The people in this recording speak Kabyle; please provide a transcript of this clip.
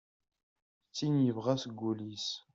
D tin yebɣa seg wul-is.